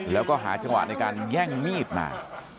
แล้วก็หาจังหวะในการแย่งมีดมา